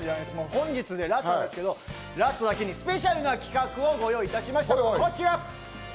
本日ラストなんですけど、ラストだけにスペシャルな企画をご用意いたしました、こちら。